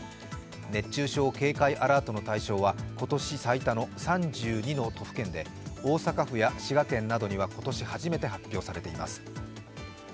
熱中症警戒アラートの対象は今年最多の３２の都府県で大阪府や滋賀県などには今年初めて発表されています。